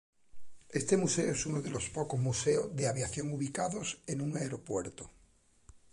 Este museo es uno de los pocos museos de aviación ubicados en un aeropuerto.